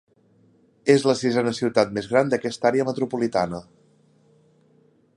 És la sisena ciutat més gran d'aquesta àrea metropolitana.